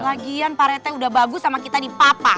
lagian parete udah bagus sama kita di papa